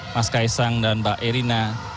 mas kaisang dan mbak erina